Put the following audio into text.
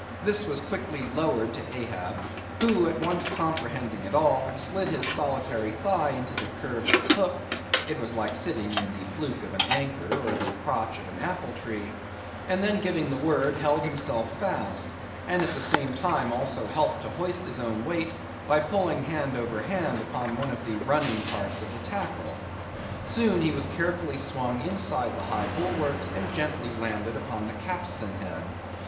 This was quickly lowered to Ahab, who at once comprehending it all, slid his solitary thigh into the curve of the hook (it was like sitting in the fluke of an anchor, or the crotch of an apple tree), and then giving the word, held himself fast, and at the same time also helped to hoist his own weight, by pulling hand over hand upon one of the running parts of the tackle. Soon he was carefully swung inside the high bulwarks, and gently landed upon the capstan head.